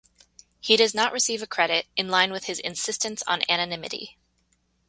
He does not receive a credit in line with his insistence on anonymity.